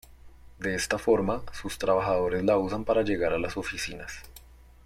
De esta forma, sus trabajadores la usan para llegar a las oficinas.